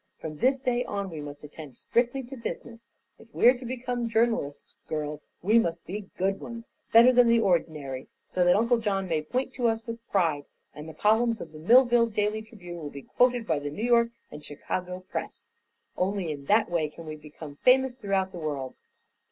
From this day on we must attend strictly to business. If we're to become journalist, girls, we must be good ones better than the ordinary so that Uncle John may point to us with pride, and the columns of the Millville Daily Tribune will be quoted by the New York and Chicago press. Only in that way can we become famous throughout the world!"